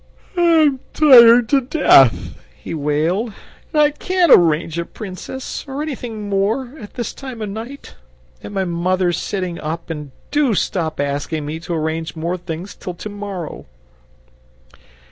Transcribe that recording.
"I'm tired to death," he wailed, "and I CAN'T arrange a Princess, or anything more, at this time of night. And my mother's sitting up, and DO stop asking me to arrange more things till tomorrow!"